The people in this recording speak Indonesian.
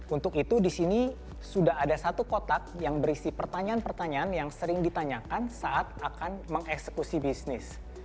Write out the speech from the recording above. untuk itu di sini sudah ada satu kotak yang berisi pertanyaan pertanyaan yang sering ditanyakan saat akan mengeksekusi bisnis